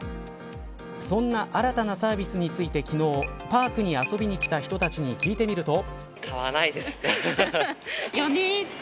そんな新たなサービスについて昨日パークに遊びに来た人たちに聞いてみると。